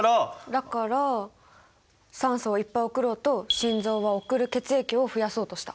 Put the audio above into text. だから酸素をいっぱい送ろうと心臓は送る血液を増やそうとした。